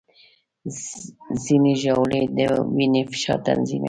ځینې ژاولې د وینې فشار تنظیموي.